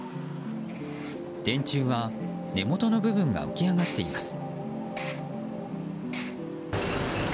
電柱は根元の部分が浮き上がっています。